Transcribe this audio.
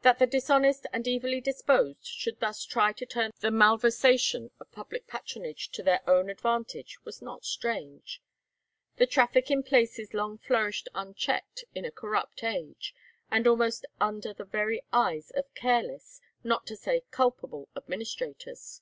That the dishonest and evilly disposed should thus try to turn the malversation of public patronage to their own advantage was not strange. The traffic in places long flourished unchecked in a corrupt age, and almost under the very eyes of careless, not to say culpable, administrators.